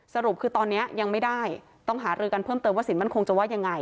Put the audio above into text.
สรุปคือตอนนี้ยังไม่ได้ต้องหารือกันเพิ่มเติมว่าสินมั่นคงจะว่ายังไง